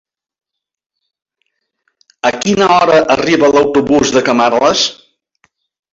A quina hora arriba l'autobús de Camarles?